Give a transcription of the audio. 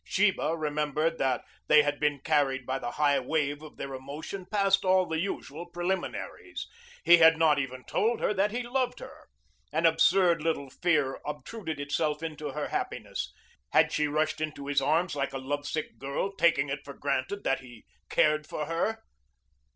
Sheba remembered that they had been carried by the high wave of their emotion past all the usual preliminaries. He had not even told her that he loved her. An absurd little fear obtruded itself into her happiness. Had she rushed into his arms like a lovesick girl, taking it for granted that he cared for her?